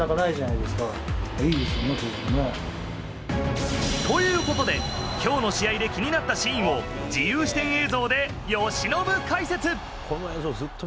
いいですね。ということで、きょうの試合で気になったシーンを、自由視点映像で由伸解説。